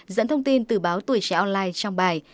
dẫn thông tin từ báo tuổi trẻ online trong bài